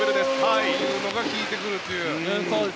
ああいうのが効いてくるという。